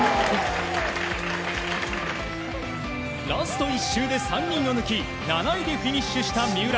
ラスト１周で３人を抜き７位でフィニッシュした三浦。